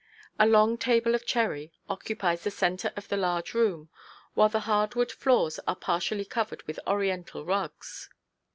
A long table of cherry occupies the centre of the large room, while the hard wood floors are partially covered with oriental rugs.